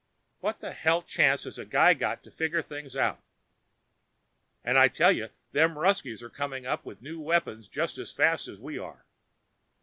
What the hell chance has a guy got to figure things out? And I tell you them Ruskies are coming up with new weapons just as fast as we are.